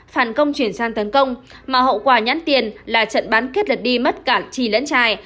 phản công chuyển sang tấn công mà hậu quả nhắn tiền là trận bán kết lật đi mất cả trì lẫn trài